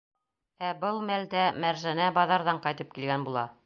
Ә был мәлдә Мәржәнә баҙарҙан ҡайтып килгән була.